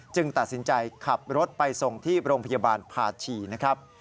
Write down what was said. ตัดสินใจขับรถไปส่งที่โรงพยาบาลภาชีนะครับ